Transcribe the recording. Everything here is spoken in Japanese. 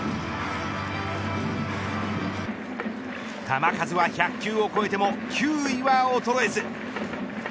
球数は１００球を超えても球威は衰えず。